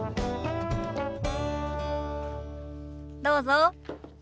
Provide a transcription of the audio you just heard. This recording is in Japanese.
どうぞ。